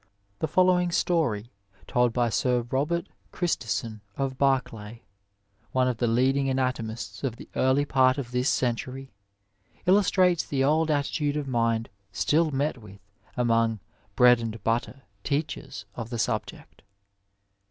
The following story, told by Sir Robert Christison, of Barclay, one of the leading anatomists of the early part of this century, illus trates the old attitude of mind still met with among " bread and butter" teachers of the subject.